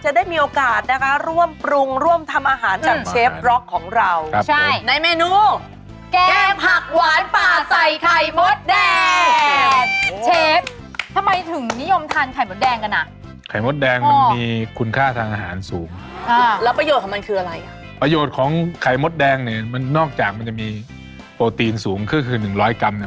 จะได้มีโอกาสนะคะร่วมปรุงร่วมทำอาหารจากเชฟล็อกของเรา